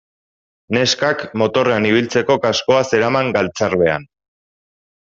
Neskak motorrean ibiltzeko kaskoa zeraman galtzarbean.